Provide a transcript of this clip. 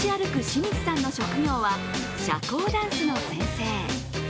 清水さんの職業は社交ダンスの先生。